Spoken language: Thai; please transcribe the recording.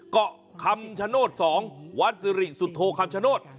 ก็คำชะโนธสองวัดศิริสุโธคำชะโนธ